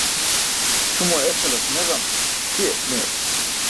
Ćʰumo esalas meġam, ṣiyas meyarum.